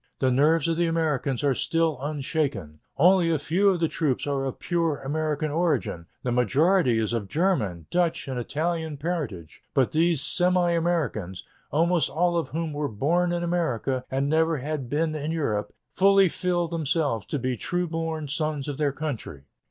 The nerves of the Americans are still unshaken.... Only a few of the troops are of pure American origin; the majority is of German, Dutch, and Italian parentage, but these semi Americans, almost all of whom were born in America and never have been in Europe, fully feel themselves to be true born sons of their country."